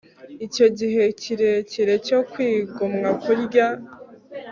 Icyo gihe kirekire cyo kwigomwa kurya